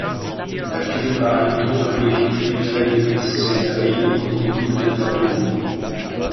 Der Film beeindruckt durch die vielfältige Szenerie und die gute Vertonung.